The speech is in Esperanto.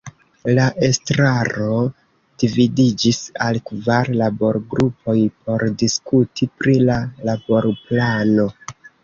La estraro dividiĝis al kvar laborgrupoj por diskuti pri la laborplano.